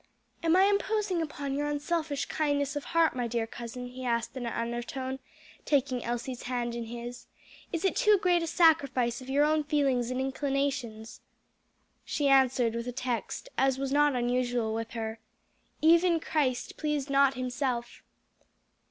"Am I imposing upon your unselfish kindness of heart, my dear cousin?" he asked in an undertone, taking Elsie's hand in his; "is it too great a sacrifice of your own feelings and inclinations?" She answered with a text, as was not unusual with her, "'Even Christ pleased not himself.'"